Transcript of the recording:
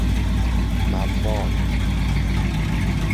مواج